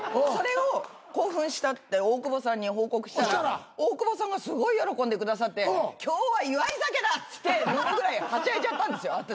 それを興奮したって大久保さんに報告したら大久保さんがすごい喜んでくださって今日は祝い酒だっつって飲むぐらいはしゃいじゃったんですよ